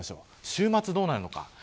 週末どうなるのか。